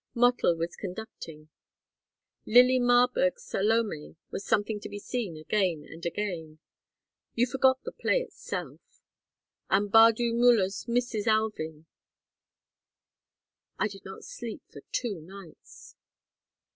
Mottl was conducting. Lili Marberg's Salome was something to be seen again and again. You forgot the play itself. And Bardou Müller's Mrs. Alving! I did not sleep for two nights.